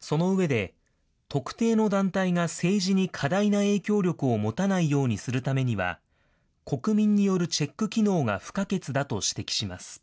その上で、特定の団体が政治に過大な影響力を持たないようにするためには、国民によるチェック機能が不可欠だと指摘します。